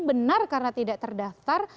benar karena tidak terdaftar